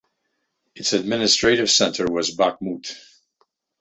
Its administrative centre was Bakhmut.